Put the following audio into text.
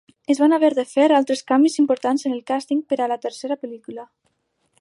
Es van haver de fer altres canvis importants en el càsting per a la tercera pel·lícula.